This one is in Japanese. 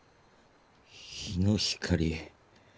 日の光。